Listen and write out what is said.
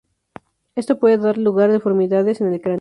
Esto puede dar lugar a deformidades en el cráneo.